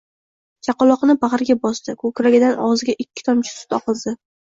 Chaqaloqni bag'riga bosdi. Ko'kragidan og'ziga ikki tomchi sut oqizdi.